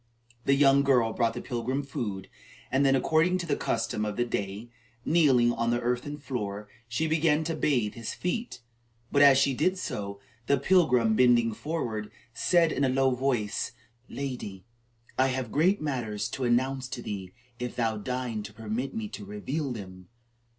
The young girl brought the pilgrim food, and then, according to the custom of the day, kneeling on the earthen floor, she began to bathe his feet. But as she did so, the pilgrim, bending forward, said in a low voice: "Lady, I have great matters to announce to thee, if thou deign to permit me to reveal them."